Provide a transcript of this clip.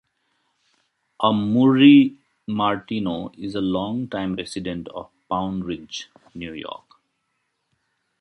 Amurri Martino is a longtime resident of Pound Ridge, New York.